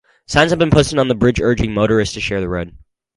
Signs have been posted on the bridge urging motorists to "share the road".